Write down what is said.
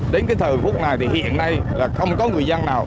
đến cái thời phút này thì hiện nay là không có người dân nào